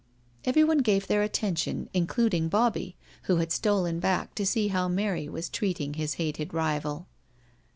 Everyone gave their attention, including Bobbie, who had stolen back to see how Mary was treating his hated rival.